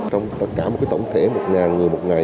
trong tất cả một tổng thể một người một ngày